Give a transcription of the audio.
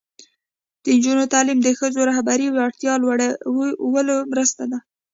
د نجونو تعلیم د ښځو رهبري وړتیا لوړولو مرسته ده.